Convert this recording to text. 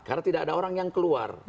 karena tidak ada orang yang keluar